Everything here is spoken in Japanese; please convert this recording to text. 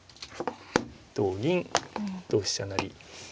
同銀同飛車成。